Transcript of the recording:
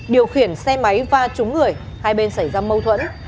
điều khiển xe máy va trúng người hai bên xảy ra mâu thuẫn